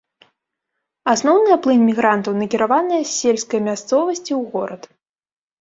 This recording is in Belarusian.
Асноўная плынь мігрантаў накіраваная з сельскай мясцовасці ў горад.